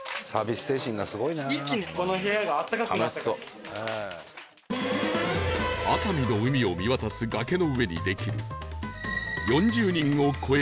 一気にこの熱海の海を見渡す崖の上にできる